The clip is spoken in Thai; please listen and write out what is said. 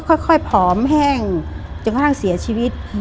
ค่อยผอมแห้งจนกระทั่งเสียชีวิต